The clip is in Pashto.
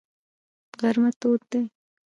غرمه تود دی.